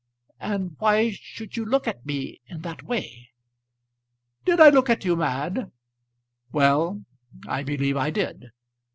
And why should you look at me in that way?" "Did I look at you, Mad? Well, I believe I did.